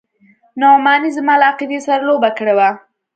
نعماني زما له عقيدې سره لوبه کړې وه.